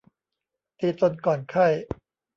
ตีตนก่อนไข้